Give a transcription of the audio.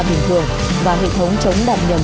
bình thường và hệ thống chống đạp nhầm